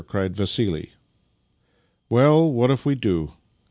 " cried Vassili. " Well? What if we do?